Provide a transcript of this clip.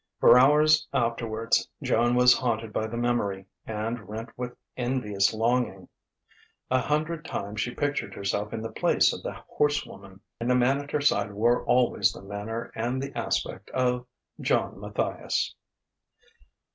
For hours afterwards Joan was haunted by the memory, and rent with envious longing. A hundred times she pictured herself in the place of the horsewoman; and the man at her side wore always the manner and the aspect of John Matthias....